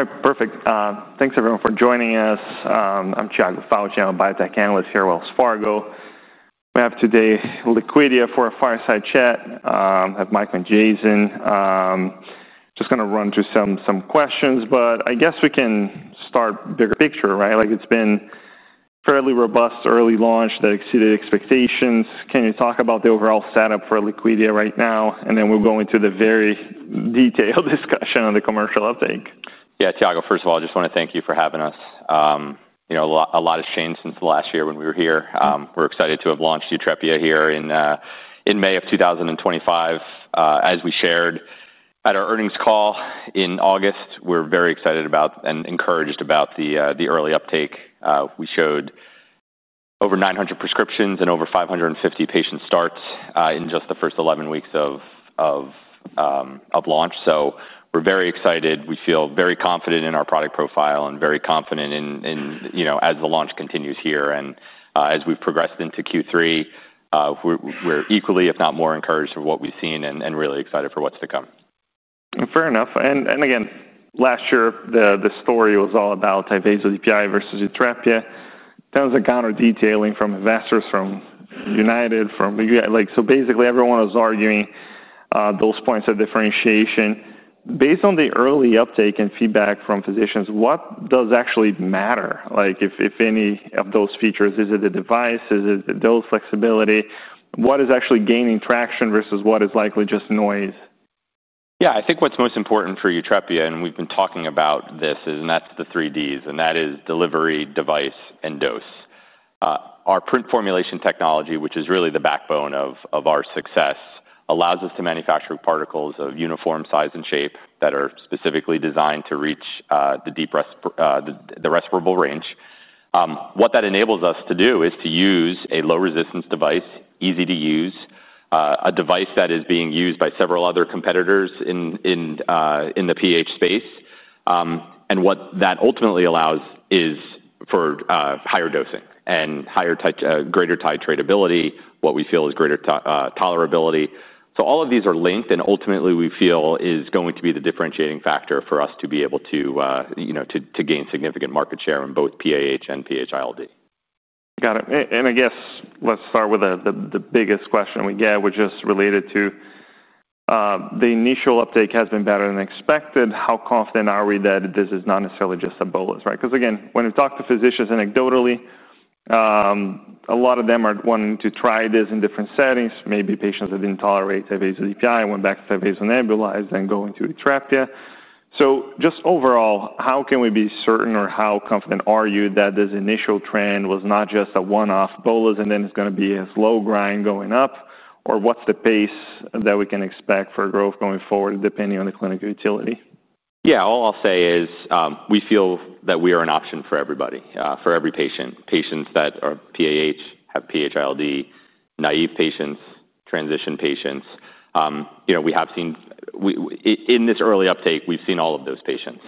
All right, perfect. Thanks, everyone, for joining us. I'm Tiago Fauth, a Biotech Analyst here at Wells Fargo. We have today Liquidia for a Fireside Chat. I have Mike and Jason. Just gonna run through some questions, but I guess we can start bigger picture, right? Like, it's been fairly robust early launch that exceeded expectations. Can you talk about the overall setup for Liquidia right now? And then we'll go into the very detailed discussion on the commercial uptake. Yeah, Tiago, first of all, I just wanna thank you for having us. You know, a lot, a lot has changed since last year when we were here. We're excited to have launched YUTREPIA here in May of 2025. As we shared at our earnings call in August, we're very excited about and encouraged about the early uptake. We showed over 900 prescriptions and over 550 patient starts in just the first 11 weeks of launch. So we're very excited. We feel very confident in our product profile and very confident in, you know, as the launch continues here. And as we've progressed into Q3, we're equally, if not more encouraged with what we've seen and really excited for what's to come. Fair enough. And again, last year, the story was all about Tyvaso DPI versus YUTREPIA. There was a counter-detailing from investors, from United, from, like, so basically, everyone was arguing those points of differentiation. Based on the early uptake and feedback from physicians, what does actually matter? Like, if any of those features, is it the device? Is it the dose flexibility? What is actually gaining traction versus what is likely just noise? Yeah, I think what's most important for YUTREPIA, and we've been talking about this, is and that's the three Ds, and that is delivery, device, and dose. Our PRINT formulation technology, which is really the backbone of our success, allows us to manufacture particles of uniform size and shape that are specifically designed to reach the respirable range. What that enables us to do is to use a low-resistance device, easy to use, a device that is being used by several other competitors in the PH space. And what that ultimately allows is for higher dosing and greater titratability, what we feel is greater tolerability. So all of these are linked, and ultimately, we feel is going to be the differentiating factor for us to be able to, you know, to gain significant market share in both PAH and PH-ILD. Got it. And I guess let's start with the biggest question we get, which is related to the initial uptake has been better than expected. How confident are we that this is not necessarily just a bolus, right? 'Cause again, when we talk to physicians anecdotally, a lot of them are wanting to try this in different settings. Maybe patients that didn't tolerate Tyvaso DPI, went back to Tyvaso nebulized, then going to YUTREPIA. So just overall, how can we be certain, or how confident are you that this initial trend was not just a one-off bolus, and then it's gonna be a slow grind going up? Or what's the pace that we can expect for growth going forward, depending on the clinical utility? Yeah, all I'll say is, we feel that we are an option for everybody, for every patient. Patients that are PAH, have PH-ILD, naive patients, transition patients. You know, we have seen in this early uptake, we've seen all of those patients.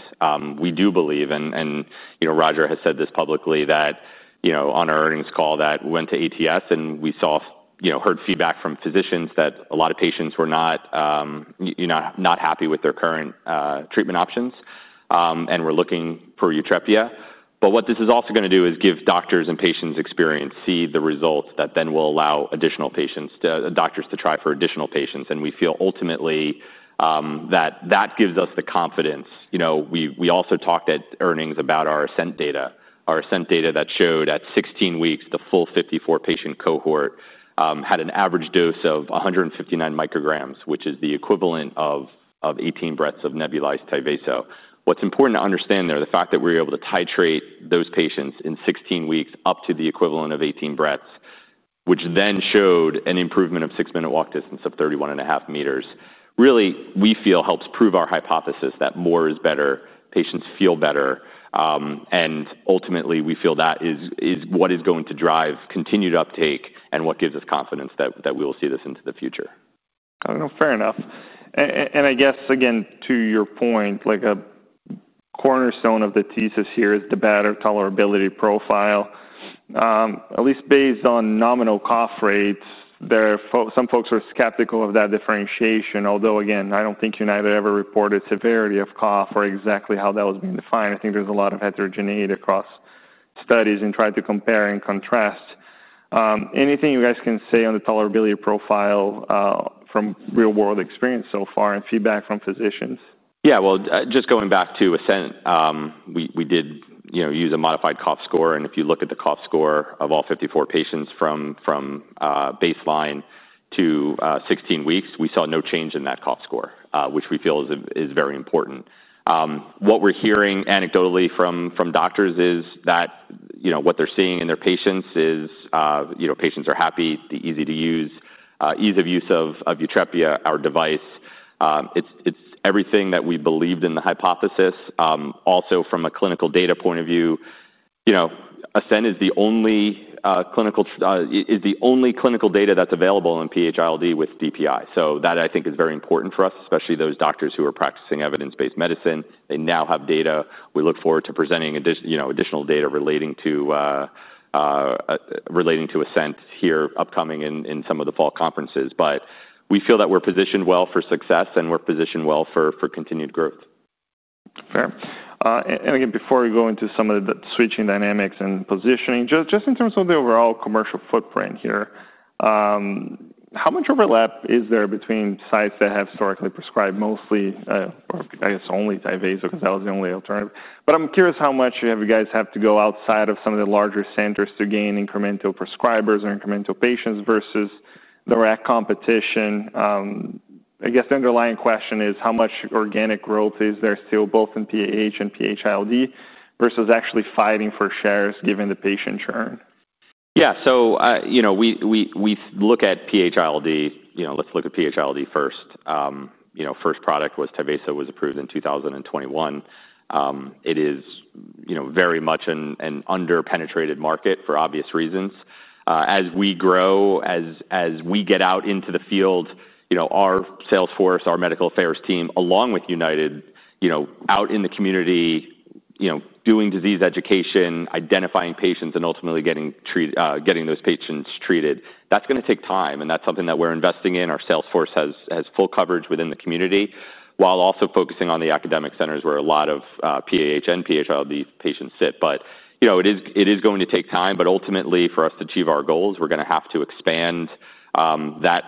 We do believe, and, and, you know, Roger has said this publicly, that, you know, on our earnings call, that we went to ATS, and we saw, you know, heard feedback from physicians that a lot of patients were not, you know, not happy with their current treatment options, and were looking for YUTREPIA. But what this is also gonna do is give doctors and patients experience, see the results, that then will allow additional patients, the doctors to try for additional patients. We feel ultimately, that that gives us the confidence. You know, we also talked at earnings about our ASCENT data. Our ASCENT data that showed at 16 weeks, the full 54-patient cohort, had an average dose of 159 mcg, which is the equivalent of 18 breaths of nebulized Tyvaso. What's important to understand there, the fact that we're able to titrate those patients in 16 weeks up to the equivalent of 18 breaths, which then showed an improvement of six-minute walk distance of 31.5 m, really, we feel helps prove our hypothesis that more is better, patients feel better. And ultimately, we feel that is what is going to drive continued uptake and what gives us confidence that we will see this into the future. I don't know. Fair enough, and I guess, again, to your point, like a cornerstone of the thesis here is the better tolerability profile. At least based on nominal cough rates, there are some folks are skeptical of that differentiation, although again, I don't think United ever reported severity of cough or exactly how that was being defined. I think there's a lot of heterogeneity across studies and tried to compare and contrast. Anything you guys can say on the tolerability profile, from real-world experience so far and feedback from physicians? Yeah, well, just going back to ASCENT, we did, you know, use a modified cough score, and if you look at the cough score of all 54 patients from baseline to 16 weeks, we saw no change in that cough score, which we feel is very important. What we're hearing anecdotally from doctors is that, you know, what they're seeing in their patients is, you know, patients are happy, the easy-to-use, ease of use of YUTREPIA, our device. It's everything that we believed in the hypothesis. Also, from a clinical data point of view, you know, ASCENT is the only clinical data that's available in PH-ILD with DPI. So that, I think, is very important for us, especially those doctors who are practicing evidence-based medicine. They now have data. We look forward to presenting additional data relating to ASCENT here, upcoming in some of the fall conferences. But, we feel that we're positioned well for success, and we're positioned well for continued growth. Fair. And again, before we go into some of the switching dynamics and positioning, just in terms of the overall commercial footprint here, how much overlap is there between sites that have historically prescribed mostly, or I guess only Tyvaso, because that was the only alternative? But I'm curious how much you guys have to go outside of some of the larger centers to gain incremental prescribers or incremental patients versus the direct competition. I guess the underlying question is, how much organic growth is there still, both in PAH and PH-ILD, versus actually fighting for shares given the patient churn? Yeah. So, you know, we look at PH-ILD, you know, let's look at PH-ILD first. You know, first product was Tyvaso, was approved in 2021. It is, you know, very much an under-penetrated market for obvious reasons. As we grow, as we get out into the field, you know, our sales force, our medical affairs team, along with United, you know, out in the community, you know, doing disease education, identifying patients, and ultimately getting those patients treated, that's gonna take time, and that's something that we're investing in. Our sales force has full coverage within the community, while also focusing on the academic centers where a lot of PAH and PH-ILD patients sit. But, you know, it is, it is going to take time, but ultimately, for us to achieve our goals, we're gonna have to expand, that,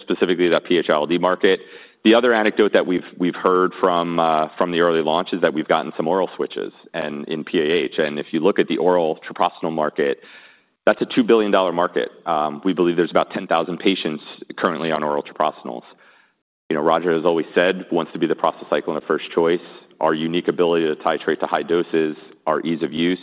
specifically that PH-ILD market. The other anecdote that we've heard from the early launch is that we've gotten some oral switches and in PAH. And if you look at the oral treprostinil market, that's a $2 billion market. We believe there's about 10,000 patients currently on oral treprostinils. You know, Roger, as always said, wants to be the prostacyclin of first choice. Our unique ability to titrate to high doses, our ease of use,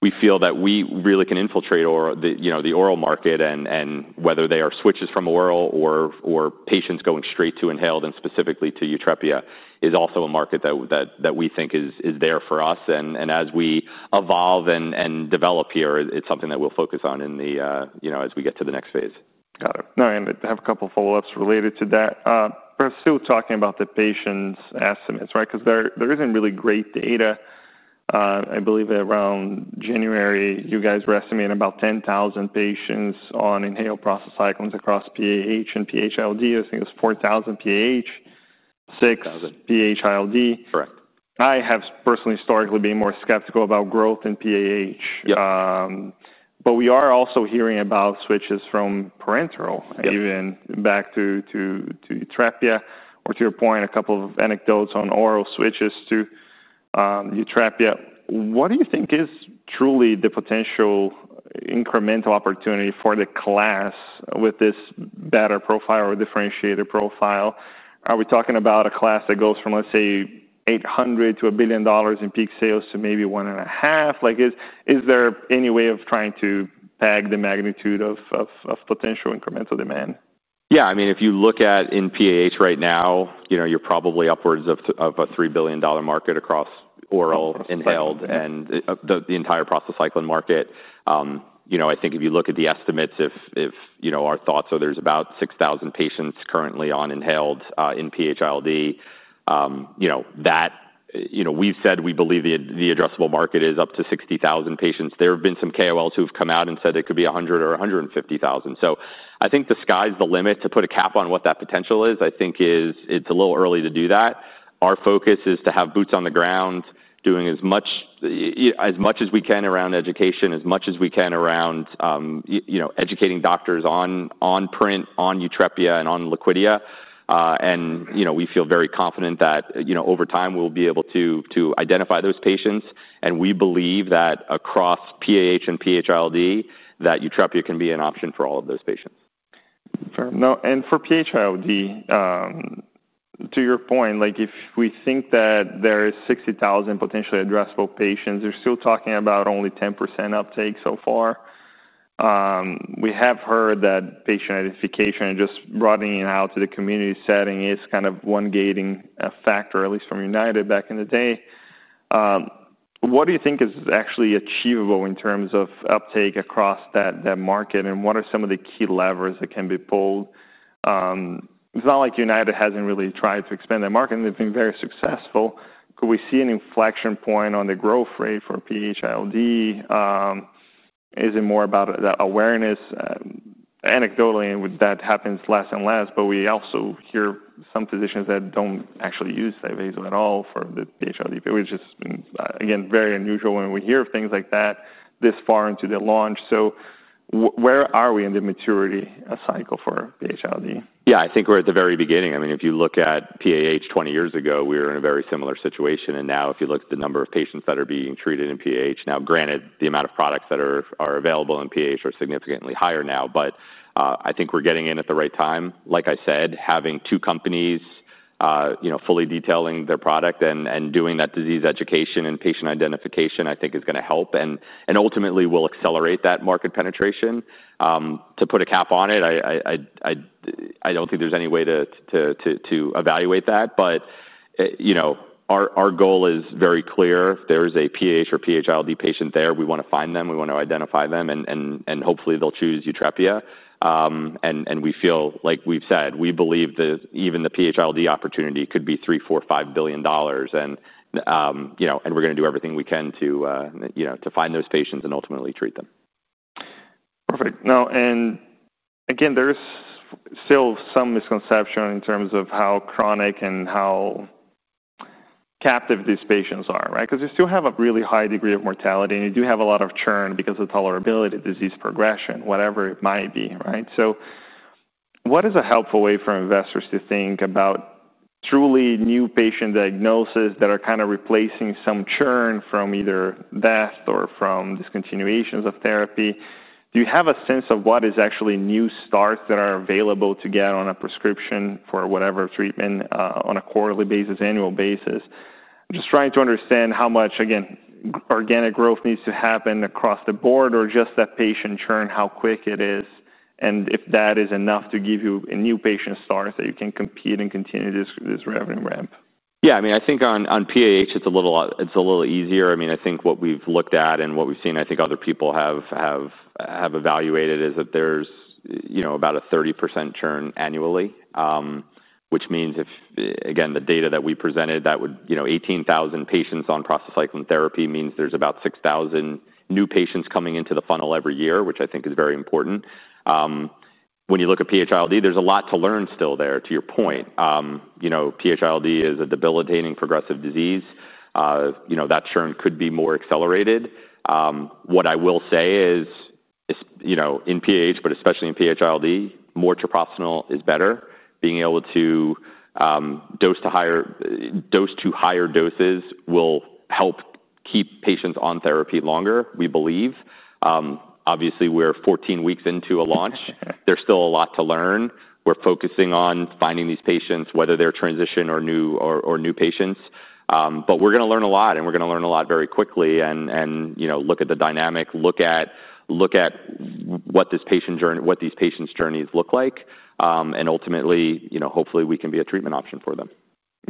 we feel that we really can infiltrate the oral market, you know, and whether they are switches from oral or patients going straight to inhaled, and specifically to YUTREPIA, is also a market that we think is there for us. And as we evolve and develop here, it's something that we'll focus on in the, you know, as we get to the next phase. Got it. No, and I have a couple follow-ups related to that. We're still talking about the patients' estimates, right? Because there, there isn't really great data. I believe that around January, you guys were estimating about 10,000 patients on inhaled prostacyclins across PAH and PH-ILD. I think it was 4,000 PAH, 6,000 Thousand PH-ILD. Correct. I have personally, historically, been more skeptical about growth in PAH. Yeah. But we are also hearing about switches from parenteral- Yep Even back to YUTREPIA, or to your point, a couple of anecdotes on oral switches to YUTREPIA. What do you think is truly the potential incremental opportunity for the class with this better profile or differentiated profile? Are we talking about a class that goes from, let's say, $800 million-$1 billion in peak sales to maybe $1.5 billion? Like, is there any way of trying to peg the magnitude of potential incremental demand? Yeah. I mean, if you look at in PAH right now, you know, you're probably upwards of a $3 billion market across oral, inhaled- Right and the entire prostacyclin market. You know, I think if you look at the estimates, if you know, our thoughts are there's about 6,000 patients currently on inhaled in PH-ILD. You know, we've said we believe the addressable market is up to 60,000 patients. There have been some KOLs who have come out and said it could be a 100,000-150,000. So I think the sky's the limit. To put a cap on what that potential is, I think is, it's a little early to do that. Our focus is to have boots on the ground, doing as much as we can around education, as much as we can around, you know, educating doctors on PRINT, on YUTREPIA and on Liquidia. And you know, we feel very confident that, you know, over time, we'll be able to identify those patients, and we believe that across PAH and PH-ILD, that YUTREPIA can be an option for all of those patients. Fair. Now, and for PH-ILD, to your point, like, if we think that there is 60,000 potentially addressable patients, we're still talking about only 10% uptake so far. We have heard that patient identification and just broadening it out to the community setting is kind of one gating factor, at least from United back in the day. What do you think is actually achievable in terms of uptake across that market, and what are some of the key levers that can be pulled? It's not like United hasn't really tried to expand their market, and they've been very successful. Could we see an inflection point on the growth rate for PH-ILD? Is it more about the awareness? Anecdotally, and with that happens less and less, but we also hear some physicians that don't actually use Tyvaso at all for the PH-ILD, which is, again, very unusual when we hear things like that this far into the launch. So where are we in the maturity cycle for PH-ILD? Yeah, I think we're at the very beginning. I mean, if you look at PAH 20 years ago, we were in a very similar situation, and now if you look at the number of patients that are being treated in PAH. Now, granted, the amount of products that are available in PAH are significantly higher now, but I think we're getting in at the right time. Like I said, having two companies, you know, fully detailing their product and doing that disease education and patient identification, I think is gonna help and ultimately will accelerate that market penetration. To put a cap on it, I don't think there's any way to evaluate that, but you know, our goal is very clear. If there is a PAH or PH-ILD patient there, we wanna find them, we want to identify them, and hopefully, they'll choose YUTREPIA, and we feel, like we've said, we believe that even the PH-ILD opportunity could be $3 billion-$5 billion, and you know, and we're gonna do everything we can to you know, to find those patients and ultimately treat them. Perfect. Now, and again, there is still some misconception in terms of how chronic and how captive these patients are, right? Because you still have a really high degree of mortality, and you do have a lot of churn because of tolerability, disease progression, whatever it might be, right? So what is a helpful way for investors to think about truly new patient diagnoses that are kind of replacing some churn from either death or from discontinuations of therapy? Do you have a sense of what is actually new starts that are available to get on a prescription for whatever treatment, on a quarterly basis, annual basis? I'm just trying to understand how much, again, organic growth needs to happen across the board, or just that patient churn, how quick it is, and if that is enough to give you a new patient start, that you can compete and continue this, this revenue ramp? Yeah, I mean, I think on PAH, it's a little easier. I mean, I think what we've looked at and what we've seen, I think other people have evaluated, is that there's, you know, about a 30% churn annually. Which means if, again, the data that we presented that would, you know, 18,000 patients on prostacyclin therapy means there's about 6,000 new patients coming into the funnel every year, which I think is very important. When you look at PH-ILD, there's a lot to learn still there, to your point. You know, PH-ILD is a debilitating progressive disease. You know, that churn could be more accelerated. What I will say is, you know, in PAH, but especially in PH-ILD, more treprostinil is better. Being able to dose to higher doses will help keep patients on therapy longer, we believe. Obviously, we're 14 weeks into a launch. There's still a lot to learn. We're focusing on finding these patients, whether they're transition or new or new patients. But we're gonna learn a lot, and we're gonna learn a lot very quickly, and you know, look at the dynamic, what this patient journey, what these patients' journeys look like. And ultimately, you know, hopefully, we can be a treatment option for them.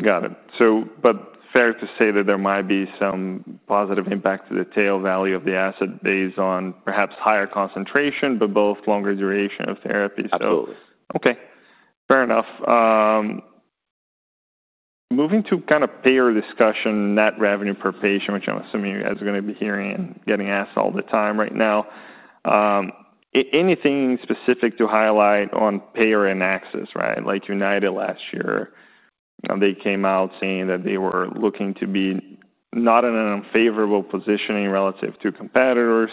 Got it. So, but fair to say that there might be some positive impact to the tail value of the asset based on perhaps higher concentration, but both longer duration of therapy, so- Absolutely. Okay, fair enough. Moving to kind of payer discussion, net revenue per patient, which I'm assuming you guys are gonna be hearing and getting asked all the time right now. Anything specific to highlight on payer and access, right? Like United last year, you know, they came out saying that they were looking to be not in an unfavorable positioning relative to competitors.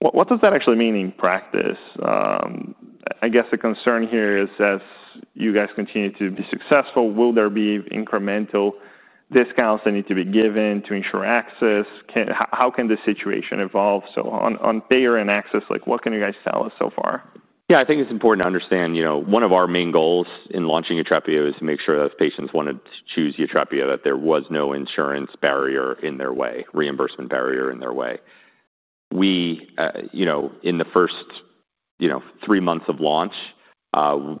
What does that actually mean in practice? I guess the concern here is, as you guys continue to be successful, will there be incremental discounts that need to be given to ensure access? How can this situation evolve? So on payer and access, like, what can you guys tell us so far? Yeah, I think it's important to understand, you know, one of our main goals in launching YUTREPIA was to make sure that if patients wanted to choose YUTREPIA, that there was no insurance barrier in their way, reimbursement barrier in their way. We, you know, in the first, you know, three months of launch,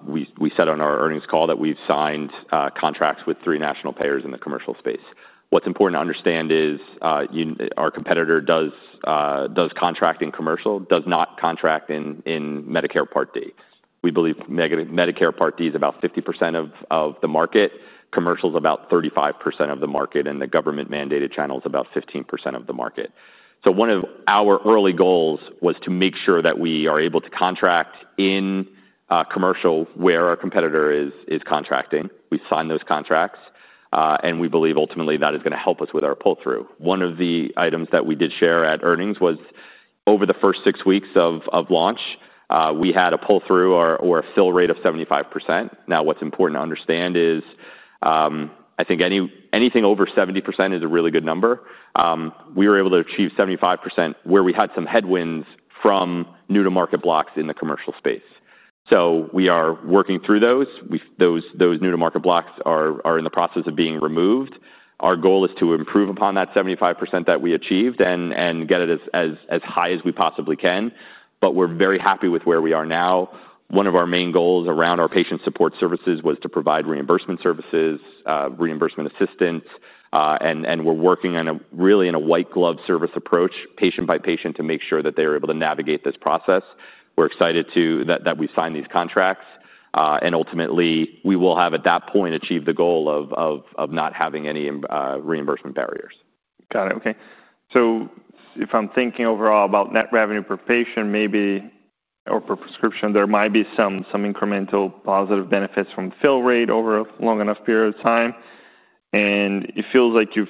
we, we said on our earnings call that we've signed contracts with three national payers in the commercial space. What's important to understand is, you, our competitor does contract in commercial, does not contract in Medicare Part D. We believe Medicare Part D is about 50% of the market, commercial is about 35% of the market, and the government-mandated channel is about 15% of the market. So one of our early goals was to make sure that we are able to contract in commercial where our competitor is contracting. We signed those contracts, and we believe ultimately that is gonna help us with our pull-through. One of the items that we did share at earnings was, over the first six weeks of launch, we had a pull-through or a fill rate of 75%. Now, what's important to understand is, I think anything over 70% is a really good number. We were able to achieve 75%, where we had some headwinds from new-to-market blocks in the commercial space, so we are working through those. Those new-to-market blocks are in the process of being removed. Our goal is to improve upon that 75% that we achieved and get it as high as we possibly can, but we're very happy with where we are now. One of our main goals around our patient support services was to provide reimbursement services, reimbursement assistance, and we're working on a really in a white glove service approach, patient by patient, to make sure that they are able to navigate this process. We're excited that we've signed these contracts, and ultimately, we will have, at that point, achieved the goal of not having any reimbursement barriers. Got it. Okay. So if I'm thinking overall about net revenue per patient, maybe or per prescription, there might be some incremental positive benefits from fill rate over a long enough period of time. And it feels like you've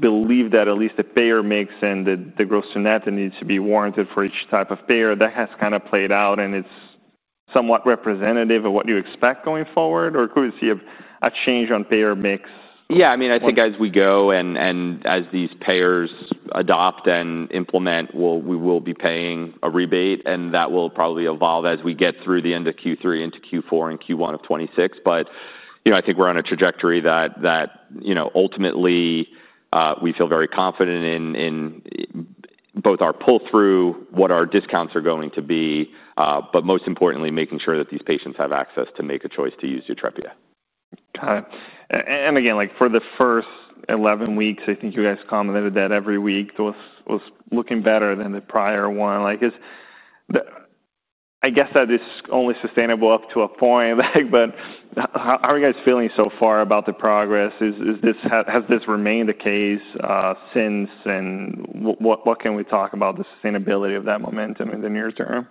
believed that at least the payer mix and the gross to net needs to be warranted for each type of payer. That has kind of played out, and it's somewhat representative of what you expect going forward, or could we see a change on payer mix? Yeah, I mean, I think as we go and as these payers adopt and implement, we will be paying a rebate, and that will probably evolve as we get through the end of Q3 into Q4 and Q1 of 2026. But, you know, I think we're on a trajectory that, you know, ultimately, we feel very confident in both our pull-through, what our discounts are going to be, but most importantly, making sure that these patients have access to make a choice to use YUTREPIA. Got it. And again, like, for the first eleven weeks, I think you guys commented that every week was looking better than the prior one. Like, is the, I guess that is only sustainable up to a point, like, but how are you guys feeling so far about the progress? Is this, has this remained the case since then? What can we talk about the sustainability of that momentum in the near term?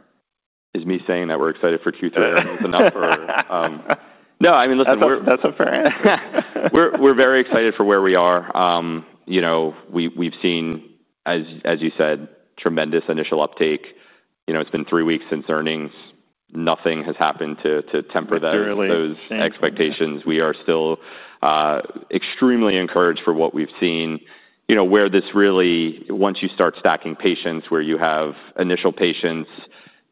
Is me saying that we're excited for Q3 is enough or, No, I mean, listen, we're- That's a, that's a fair answer. We're very excited for where we are. You know, we've seen, as you said, tremendous initial uptake. You know, it's been three weeks since earnings. Nothing has happened to temper those- Clearly Those expectations. We are still extremely encouraged for what we've seen. You know, where this really, once you start stacking patients, where you have initial patients,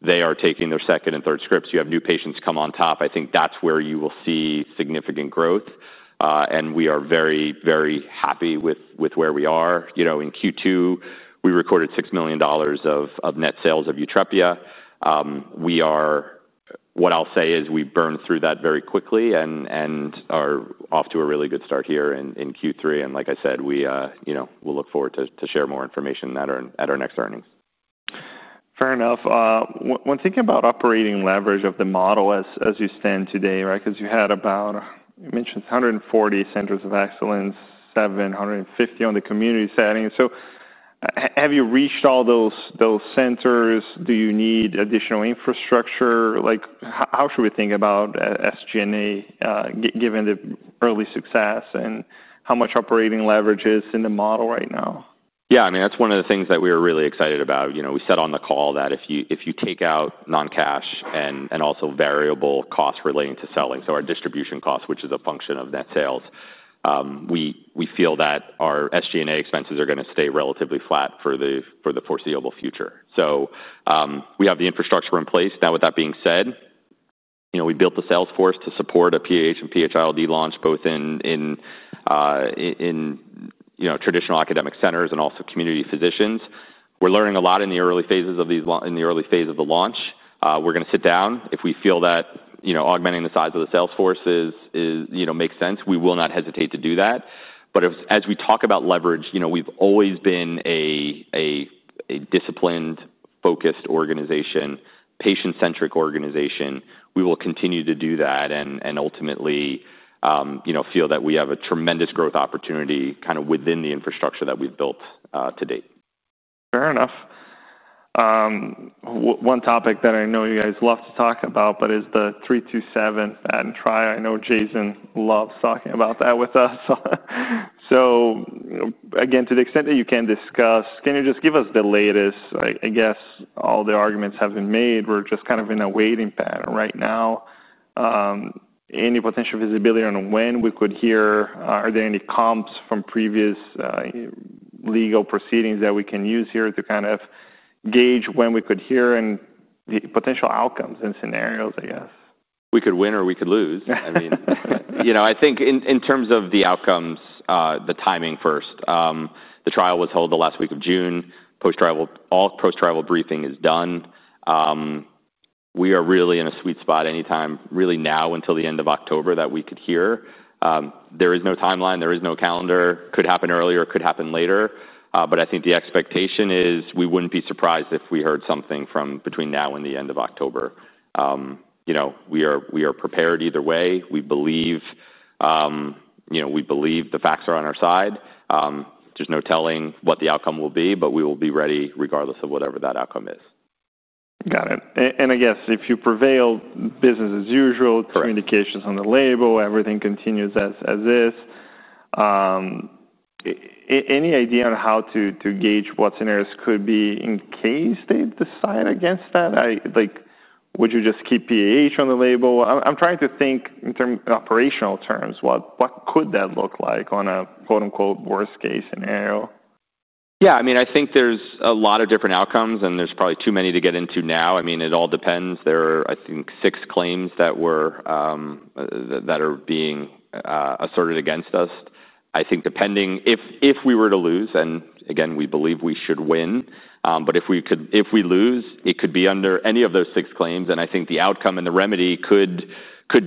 they are taking their second and third scripts, you have new patients come on top, I think that's where you will see significant growth. And we are very, very happy with where we are. You know, in Q2, we recorded $6 million of net sales of YUTREPIA. What I'll say is, we burned through that very quickly and are off to a really good start here in Q3, and like I said, we, you know, we'll look forward to share more information at our next earnings. Fair enough. When thinking about operating leverage of the model as you stand today, right? 'Cause you had about, you mentioned 140 centers of excellence, 750 on the community setting. So, have you reached all those centers? Do you need additional infrastructure? Like, how should we think about SG&A given the early success, and how much operating leverage is in the model right now? Yeah, I mean, that's one of the things that we are really excited about. You know, we said on the call that if you take out non-cash and also variable costs relating to selling, so our distribution cost, which is a function of net sales, we feel that our SG&A expenses are gonna stay relatively flat for the foreseeable future, so we have the infrastructure in place. Now, with that being said, you know, we built the sales force to support a PAH and PH-ILD launch both in traditional academic centers and also community physicians. We're learning a lot in the early phases of these launches in the early phase of the launch. We're gonna sit down. If we feel that, you know, augmenting the size of the sales force is, you know, makes sense, we will not hesitate to do that. But as, as we talk about leverage, you know, we've always been a disciplined, focused organization, patient-centric organization. We will continue to do that and ultimately, you know, feel that we have a tremendous growth opportunity kind of within the infrastructure that we've built to date. Fair enough. One topic that I know you guys love to talk about, but is the 327 patent trial. I know Jason loves talking about that with us. So again, to the extent that you can discuss, can you just give us the latest? I guess all the arguments have been made. We're just kind of in a waiting pattern right now. Any potential visibility on when we could hear? Are there any comps from previous legal proceedings that we can use here to kind of gauge when we could hear and the potential outcomes and scenarios, I guess? We could win or we could lose. I mean, you know, I think in terms of the outcomes, the timing first. The trial was held the last week of June. Post-trial, all post-trial briefing is done. We are really in a sweet spot anytime, really now until the end of October, that we could hear. There is no timeline, there is no calendar. Could happen earlier, could happen later, but I think the expectation is we wouldn't be surprised if we heard something from between now and the end of October. You know, we are prepared either way. We believe, you know, we believe the facts are on our side. There's no telling what the outcome will be, but we will be ready regardless of whatever that outcome is. Got it. And I guess if you prevail, business as usual- Correct. Communications on the label, everything continues as is. Any idea on how to gauge what scenarios could be in case they decide against that? Like, would you just keep PAH on the label? I'm trying to think in terms, operational terms, what could that look like on a quote, unquote, "worst-case scenario"? Yeah, I mean, I think there's a lot of different outcomes, and there's probably too many to get into now. I mean, it all depends. There are, I think, six claims that are being asserted against us. I think depending if we were to lose, and again, we believe we should win, but if we lose, it could be under any of those six claims, and I think the outcome and the remedy could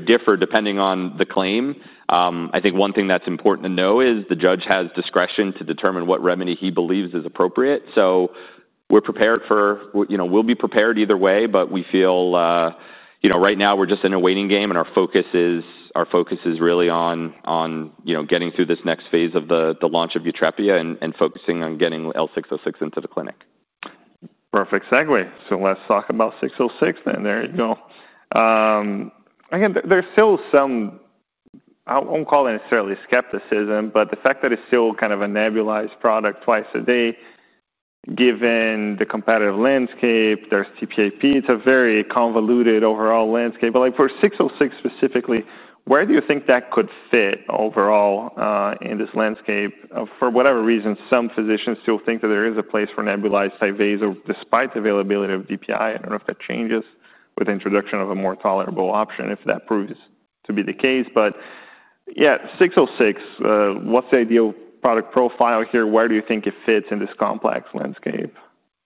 differ depending on the claim. I think one thing that's important to know is the judge has discretion to determine what remedy he believes is appropriate. So we're prepared for, you know, we'll be prepared either way, but we feel, you know, right now we're just in a waiting game, and our focus is really on getting through this next phase of the launch of YUTREPIA and focusing on getting L606 into the clinic. Perfect segue, so let's talk about L606, then. There you go. Again, there's still some. I won't call it necessarily skepticism, but the fact that it's still kind of a nebulized product twice a day, given the competitive landscape. There's TPIP. It's a very convoluted overall landscape. But like for L606 specifically, where do you think that could fit overall, in this landscape? For whatever reason, some physicians still think that there is a place for nebulized Tyvaso, despite the availability of DPI. I don't know if that changes with the introduction of a more tolerable option, if that proves to be the case. But yeah, L606, what's the ideal product profile here? Where do you think it fits in this complex landscape?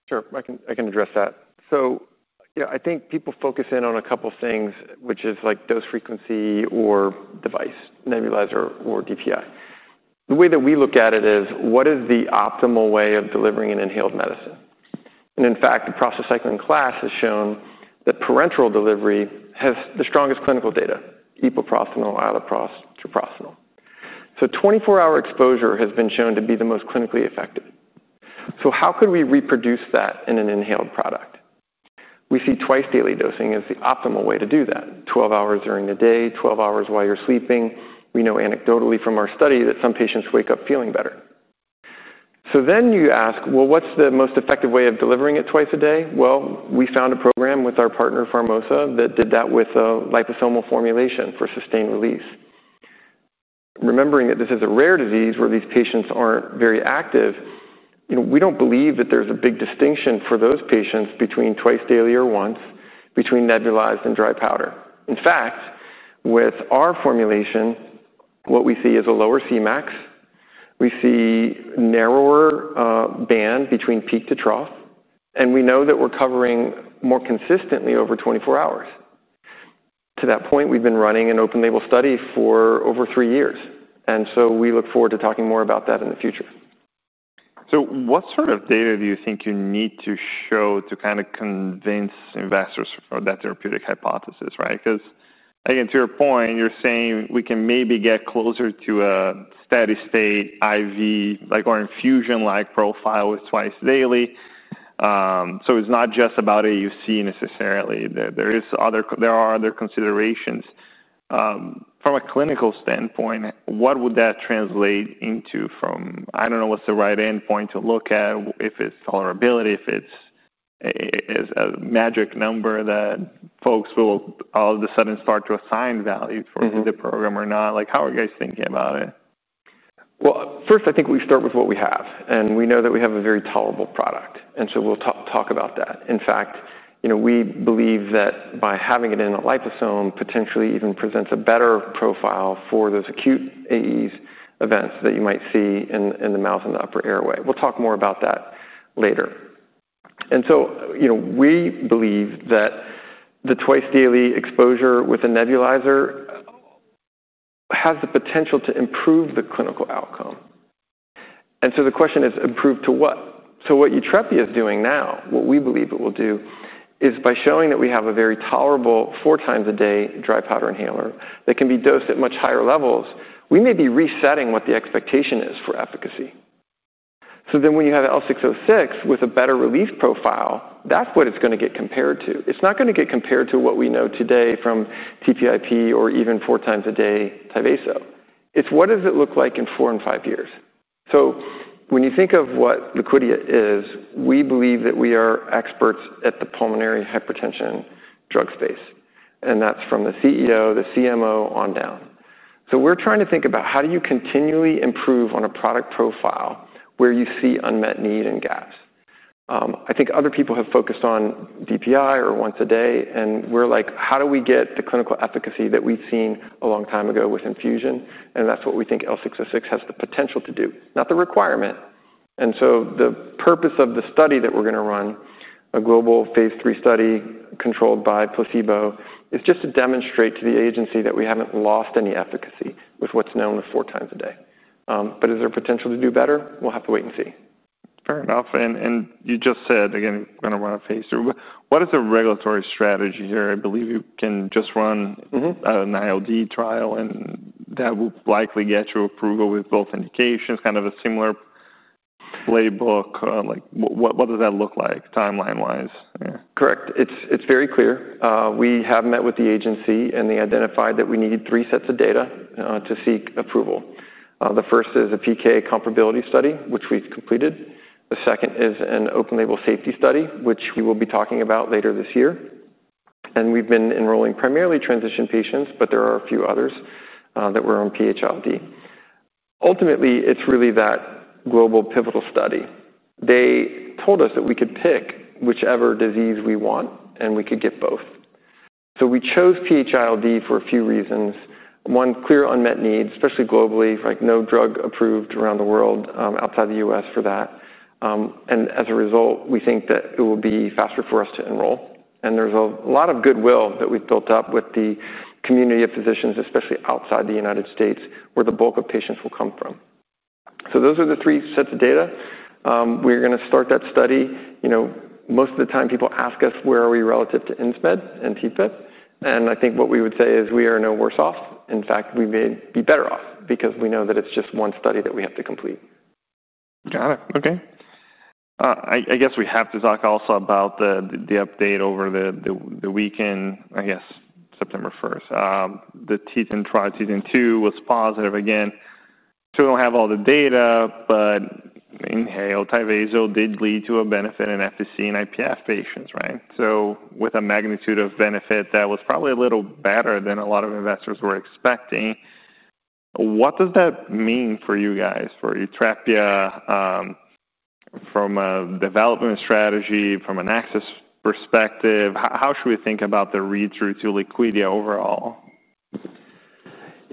Sure. I can address that. So yeah, I think people focus in on a couple things, which is like dose frequency or device, nebulizer or DPI. The way that we look at it is: what is the optimal way of delivering an inhaled medicine? And in fact, the prostacyclin class has shown that parenteral delivery has the strongest clinical data, epoprostenol, iloprost, treprostinil. So 24-hour exposure has been shown to be the most clinically effective. So how could we reproduce that in an inhaled product? We see twice-daily dosing as the optimal way to do that. 12 hours during the day, 12 hours while you're sleeping. We know anecdotally from our study that some patients wake up feeling better. So then you ask, well, what's the most effective way of delivering it twice a day? We found a program with our partner, Pharmosa, that did that with a liposomal formulation for sustained release. Remembering that this is a rare disease where these patients aren't very active, you know, we don't believe that there's a big distinction for those patients between twice daily or once, between nebulized and dry powder. In fact, with our formulation, what we see is a lower Cmax. We see narrower band between peak to trough, and we know that we're covering more consistently over twenty-four hours. To that point, we've been running an open-label study for over three years, and so we look forward to talking more about that in the future. So what sort of data do you think you need to show to kind of convince investors for that therapeutic hypothesis, right? Because, again, to your point, you're saying we can maybe get closer to a steady state IV, like, or infusion-like profile with twice daily. So it's not just about AUC necessarily. There are other considerations. From a clinical standpoint, what would that translate into from, I don't know what's the right endpoint to look at, if it's tolerability, if it's a, a, a magic number that folks will all of a sudden start to assign value for- Mm-hmm. the program or not. Like, how are you guys thinking about it? First, I think we start with what we have, and we know that we have a very tolerable product, and so we'll talk about that. In fact, you know, we believe that by having it in a liposome, potentially even presents a better profile for those acute AEs events that you might see in the mouth and the upper airway. We'll talk more about that later. You know, we believe that the twice-daily exposure with a nebulizer has the potential to improve the clinical outcome. The question is, improve to what? What YUTREPIA is doing now, what we believe it will do, is by showing that we have a very tolerable four times a day dry -powder inhaler that can be dosed at much higher levels, we may be resetting what the expectation is for efficacy. So then when you have L606 with a better release profile, that's what it's gonna get compared to. It's not gonna get compared to what we know today from TPIP or even four times a day Tyvaso. It's what does it look like in four and five years? So when you think of what Liquidia is, we believe that we are experts at the pulmonary hypertension drug space, and that's from the CEO, the CMO, on down. So we're trying to think about how do you continually improve on a product profile where you see unmet need and gaps. I think other people have focused on DPI or once a day, and we're like, "How do we get the clinical efficacy that we've seen a long time ago with infusion?" And that's what we think L606 has the potential to do, not the requirement. And so the purpose of the study that we're gonna run, a global phase III study controlled by placebo, is just to demonstrate to the agency that we haven't lost any efficacy with what's known as four times a day. But is there potential to do better? We'll have to wait and see. Fair enough. And you just said, again, gonna run a phase III. What is the regulatory strategy here? I believe you can just run- Mm-hmm. An ILD trial, and that will likely get you approval with both indications, kind of a similar playbook. Like, what does that look like timeline-wise? Yeah. Correct. It's very clear. We have met with the agency, and they identified that we need three sets of data to seek approval. The first is a PK comparability study, which we've completed. The second is an open-label safety study, which we will be talking about later this year, and we've been enrolling primarily transition patients, but there are a few others that were on PH-ILD. Ultimately, it's really that global pivotal study. They told us that we could pick whichever disease we want, and we could get both, so we chose PH-ILD for a few reasons. One, clear unmet needs, especially globally, like no drug approved around the world outside the U.S. for that, and as a result, we think that it will be faster for us to enroll. And there's a lot of goodwill that we've built up with the community of physicians, especially outside the United States, where the bulk of patients will come from. So those are the three sets of data. We're gonna start that study. You know, most of the time people ask us, where are we relative to Insmed and TPIP? And I think what we would say is we are no worse off. In fact, we may be better off because we know that it's just one study that we have to complete. Got it. Okay. I guess we have to talk also about the update over the weekend, I guess, September 1st. The TETON trial, TETON-2, was positive again. So we don't have all the data, but inhaled Tyvaso did lead to a benefit in FVC and IPF patients, right? So with a magnitude of benefit, that was probably a little better than a lot of investors were expecting. What does that mean for you guys, for YUTREPIA, from a development strategy, from an access perspective, how should we think about the readthrough to Liquidia overall?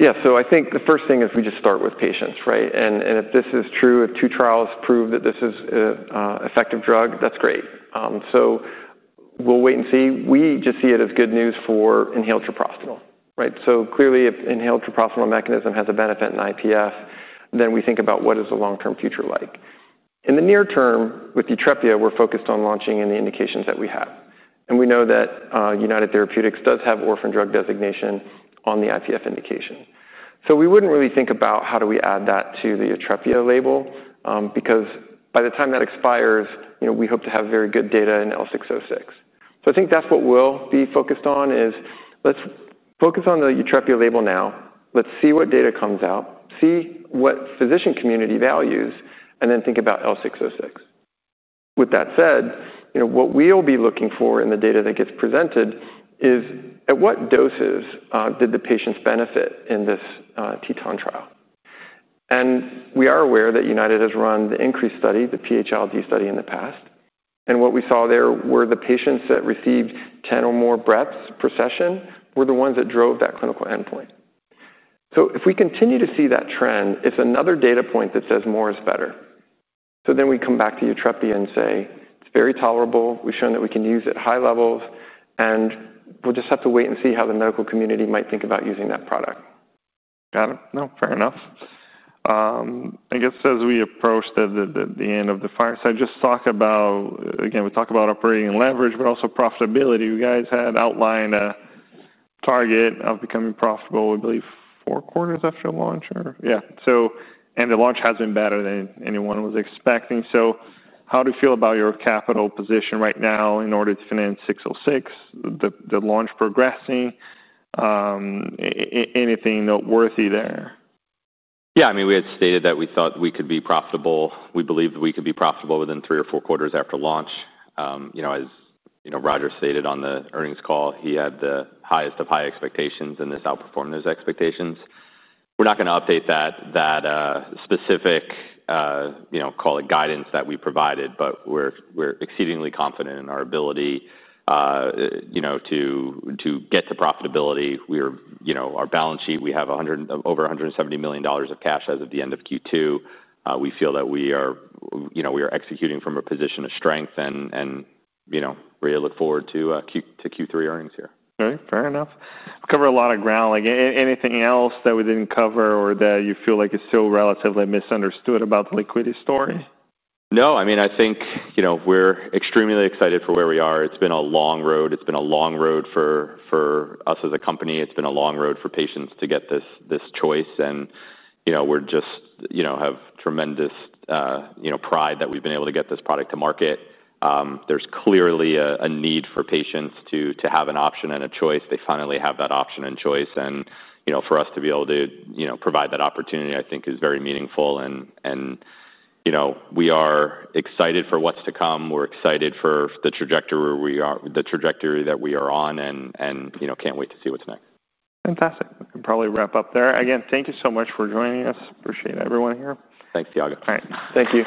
Yeah. So I think the first thing is we just start with patients, right? And if this is true, if two trials prove that this is an effective drug, that's great. So we'll wait and see. We just see it as good news for inhaled treprostinil, right? So clearly, if inhaled treprostinil mechanism has a benefit in IPF, then we think about what is the long-term future like. In the near term, with YUTREPIA, we're focused on launching in the indications that we have. And we know that United Therapeutics does have orphan drug designation on the IPF indication. So we wouldn't really think about how do we add that to the YUTREPIA label, because by the time that expires, you know, we hope to have very good data in L606. So I think that's what we'll be focused on, is let's focus on the YUTREPIA label now. Let's see what data comes out, see what physician community values, and then think about L606. With that said, you know, what we'll be looking for in the data that gets presented is, at what doses, did the patients benefit in this, TETON trial? And we are aware that United has run the INCREASE study, the PH-ILD study, in the past, and what we saw there were the patients that received 10 or more breaths per session were the ones that drove that clinical endpoint. So if we continue to see that trend, it's another data point that says more is better. So then we come back to YUTREPIA and say, it's very tolerable. We've shown that we can use it at high levels, and we'll just have to wait and see how the medical community might think about using that product. Got it. No, fair enough. I guess as we approach the end of the fireside, just talk about, again, we talk about operating leverage, but also profitability. You guys had outlined a target of becoming profitable, I believe, four quarters after launch or? Yeah. So, and the launch has been better than anyone was expecting. So how do you feel about your capital position right now in order to finance L606, the launch progressing, anything noteworthy there? Yeah, I mean, we had stated that we thought we could be profitable. We believed we could be profitable within three or four quarters after launch. You know, as you know, Roger stated on the earnings call, he had the highest of high expectations, and this outperformed those expectations. We're not gonna update that specific, you know, call it guidance that we provided, but we're exceedingly confident in our ability, you know, to get to profitability. We're, you know, our balance sheet, we have over $170 million of cash as of the end of Q2. We feel that we are, you know, executing from a position of strength, and you know, we look forward to Q3 earnings here. All right, fair enough. We've covered a lot of ground. Like, anything else that we didn't cover or that you feel like is still relatively misunderstood about the Liquidia story? No, I mean, I think, you know, we're extremely excited for where we are. It's been a long road. It's been a long road for us as a company. It's been a long road for patients to get this choice, and, you know, we're just, you know, have tremendous, you know, pride that we've been able to get this product to market. There's clearly a need for patients to have an option and a choice. They finally have that option and choice, and, you know, for us to be able to, you know, provide that opportunity, I think is very meaningful, and, you know, we are excited for what's to come. We're excited for the trajectory that we are on and, you know, can't wait to see what's next. Fantastic. We can probably wrap up there. Again, thank you so much for joining us. Appreciate everyone here. Thanks, Tiago. All right. Thank you.